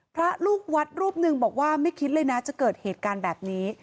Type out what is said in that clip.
พระลูกวัดรูปหนึ่งบอกว่าไม่คิดเลยนะจะเกิดเหตุการณ์แบบนี้